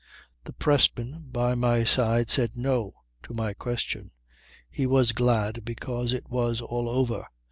The pressman by my side said 'No,' to my question. He was glad because it was all over.